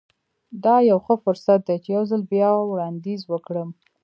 دا يو ښه فرصت دی چې يو ځل بيا وړانديز وکړم.